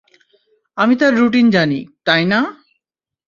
আমি তার রুটিন জানি, তাই না?